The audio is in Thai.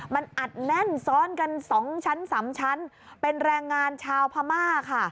มันอัดแน่นซ้อนกัน๒ชั้น๓ชั้นเป็นแรงงานชาวพม่าค่ะ